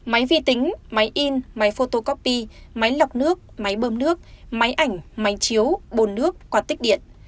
máy vi tính máy in máy photocopy máy lọc nước máy bơm nước máy ảnh máy chiếu bồn nước quạt tích điện